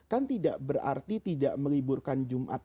kan tidak berarti tidak meliburkan jumat